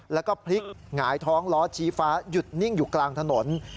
แล้วก็พลิกหงายท้องล้อชี้ฟ้าหยุดนิ่งอยู่กลางถนน